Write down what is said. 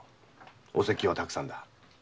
お説教はたくさんだ。